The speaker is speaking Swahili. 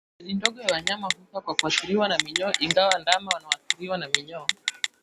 Idadi ndogo ya wanyama hufa kwa kuathiriwa na minyoo ingawa ndama wanaoathiriwa na minyoo